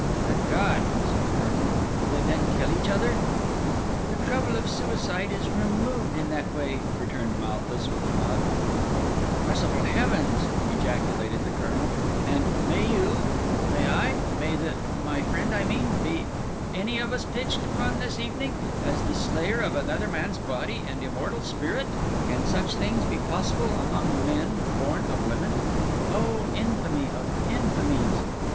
"Good God!" said the Colonel, "do they then kill each other?" "The trouble of suicide is removed in that way," returned Malthus with a nod. "Merciful heavens!" ejaculated the Colonel, "and may you—may I—may the—my friend I mean—may any of us be pitched upon this evening as the slayer of another man's body and immortal spirit? Can such things be possible among men born of women? Oh! infamy of infamies!"